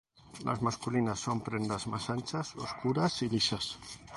Las masculinas son prendas más anchas, oscuras y lisas.